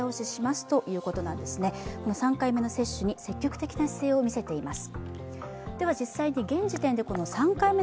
３回目の接種に積極的な姿勢を見せています。